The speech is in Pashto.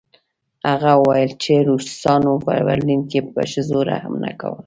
هغه وویل چې روسانو په برلین کې په ښځو رحم نه کاوه